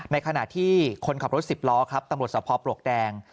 ในขณะที่คนขับรถสิบล้อครับตำรวจสภปลวกแดง